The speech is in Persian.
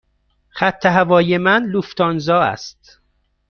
خط هوایی من لوفتانزا است.